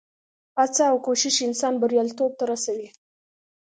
هڅه او کوښښ انسان بریالیتوب ته رسوي.